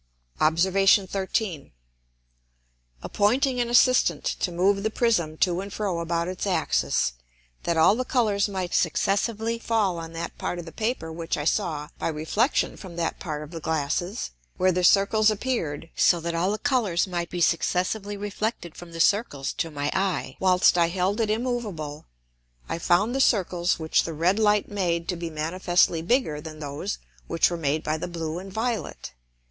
[Illustration: FIG. 3.] Obs. 13. Appointing an Assistant to move the Prism to and fro about its Axis, that all the Colours might successively fall on that part of the Paper which I saw by Reflexion from that part of the Glasses, where the Circles appear'd, so that all the Colours might be successively reflected from the Circles to my Eye, whilst I held it immovable, I found the Circles which the red Light made to be manifestly bigger than those which were made by the blue and violet.